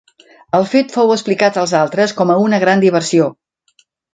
El fet fou explicat als altres com a una gran diversió.